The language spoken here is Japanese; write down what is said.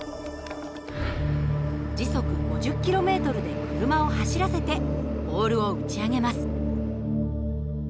時速５０ｋｍで車を走らせてボールを打ち上げます。